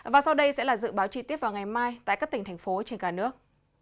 và sau đây sẽ là dự báo chi tiết vào ngày mai tại các tỉnh thành phố trên cả nước